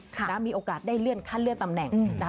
มีโอกาสได้เลื่อนขั้นเลื่อนตำแหน่งนะคะ